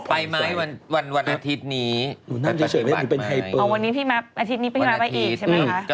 ไปไหมวันอาทิตย์นี้ปฏิบัติไหมวันนี้พี่มาอาทิตย์นี้พี่มาไว้อีกใช่ไหมคะ